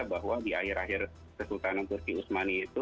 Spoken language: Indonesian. bahwa di akhir akhir kesultanan turki usmani itu